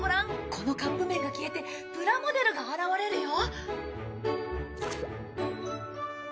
このカップ麺が消えてプラモデルが現れるよ。